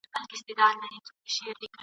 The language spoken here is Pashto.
پر هر قدم به سجدې کومه ..